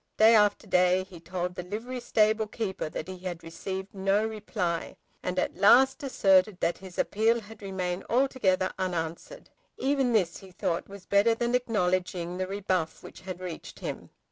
Day after day he told the livery stable keeper that he had received no reply, and at last asserted that his appeal had remained altogether unanswered. Even this he thought was better than acknowledging the rebuff which had reached him.